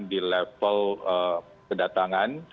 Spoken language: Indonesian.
di level kedatangan